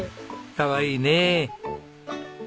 かわいいね。